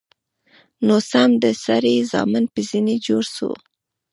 نو سم د سړي زامن به ځنې جوړ سو.